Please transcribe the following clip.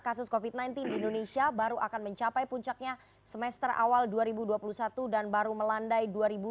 kasus covid sembilan belas di indonesia baru akan mencapai puncaknya semester awal dua ribu dua puluh satu dan baru melandai dua ribu dua puluh